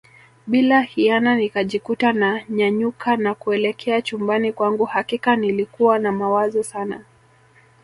Bila hiana nikajikuta na nyanyuka na kuelekea chumbani kwangu hakika nilikuwa na mawazo Sana